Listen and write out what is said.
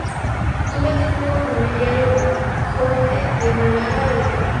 Tuvo el título nobiliario de conde de Berlanga de Duero.